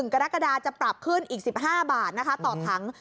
กรกฎาจะปรับขึ้นอีก๑๕บาทนะคะต่อถัง